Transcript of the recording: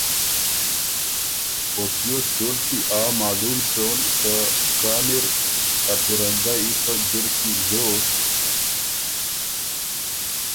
او تیوس ټول کی آ معلوم سون که کان اِر ا پیرنګئ پۀ ځِر زر کی زوک،